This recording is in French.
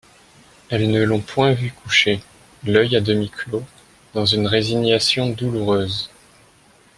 Elles ne l'ont point vu couché, l'œil a demi clos, dans une résignation douloureuse.